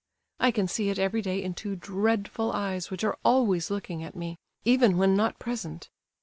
I can see it every day in two dreadful eyes which are always looking at me, even when not present.